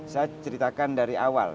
saya ceritakan dari awal